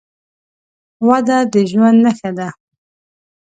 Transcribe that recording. وده د ژوند نښه ده.